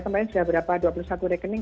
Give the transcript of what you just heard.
kemarin sudah berapa dua puluh satu rekening